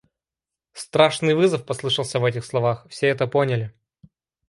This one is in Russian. Страшный вызов послышался в этих словах, все это поняли.